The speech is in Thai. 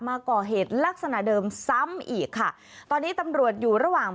มาก่อเหตุลักษณะเดิมซ้ำอีกค่ะตอนนี้ตำรวจอยู่ระหว่าง